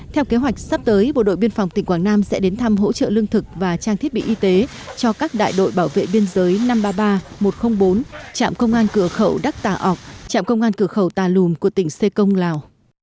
theo kế hoạch sắp tới bộ đội biên phòng tỉnh quảng nam sẽ đến thăm hỗ trợ lương thực và trang thiết bị y tế cho các đại đội bảo vệ biên giới năm trăm ba mươi ba một trăm linh bốn trạm công an cửa khẩu đắc tà ốc trạm công an cửa khẩu tà lùm của tỉnh xê công lào